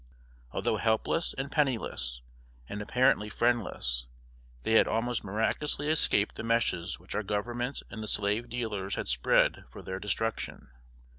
Although helpless and penniless, and apparently friendless, they had almost miraculously escaped the meshes which our Government and the slave dealers had spread for their destruction.